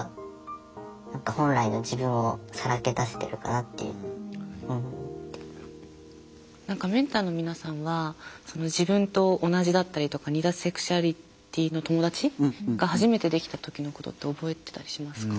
やっぱり何かメンターの皆さんは自分と同じだったりとか似たセクシュアリティーの友達が初めてできた時のことって覚えてたりしますか？